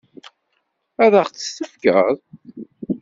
Ad ɣ-tt-tefkeḍ?